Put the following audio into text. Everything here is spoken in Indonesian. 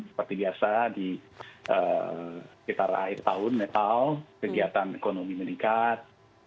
seperti biasa di sekitar akhir tahun metal kegiatan ekonomi meningkat